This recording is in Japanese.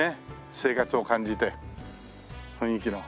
生活を感じて雰囲気の。